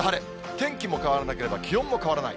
天気も変わらなければ、気温も変わらない。